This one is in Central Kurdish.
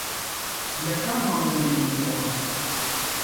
لە کام ماڵ دەمێنیتەوە؟